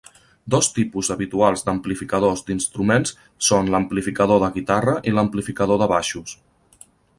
Dos tipus habituals d'amplificadors d'instruments són l'amplificador de guitarra i l'amplificador de baixos.